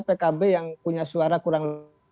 pkb yang punya suara kurang